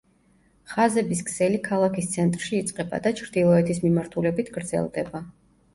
ხაზების ქსელი ქალაქის ცენტრში იწყება და ჩრდილოეთის მიმართულებით გრძელდება.